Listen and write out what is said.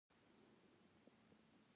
سرچران وايي کورني خلک ښه پوهېږي.